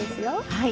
はい。